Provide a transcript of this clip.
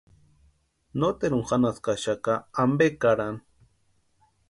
Noteruni janhaskaxaka ampe karani.